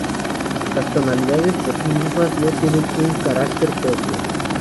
Las tonalidades por sí mismas no tienen un carácter propio.